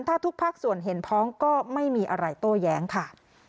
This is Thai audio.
ถ้าทุกภาคส่วนเห็นพ้องก็ไม่มีอะไรโต้แย้งค่ะ